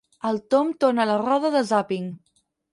El Tom torna a la roda de zàping.